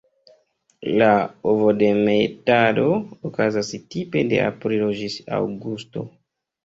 La ovodemetado okazas tipe de aprilo ĝis aŭgusto.